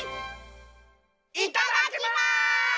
いただきます！